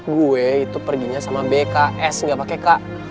gue itu perginya sama bks ga pake k